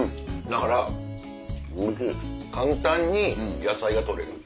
だから簡単に野菜が取れる。